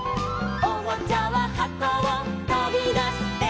「おもちゃははこをとびだして」